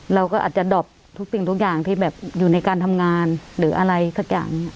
เราก็อาจจะดอบทุกสิ่งทุกอย่างที่แบบอยู่ในการทำงานหรืออะไรสักอย่าง